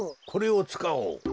これをつかおう。